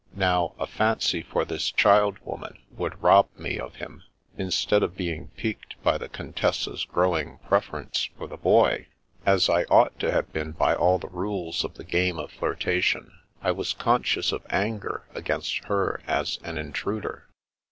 Now, a fancy for this child woman would rob me of him. Instead of being piqued by the Contessa's growing preference for the Boy, as I 2o8 The Princess Passes ought to have been by all the rules of the game of flirtation, I was conscious of anger against her as an intruder.